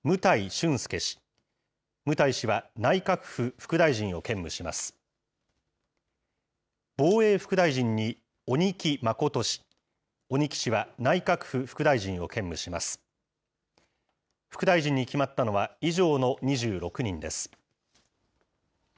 副大臣に決まったのは、以上の２６人です。